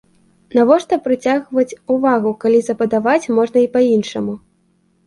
Навошта прыцягваць увагу, калі сабатаваць можна і па іншаму.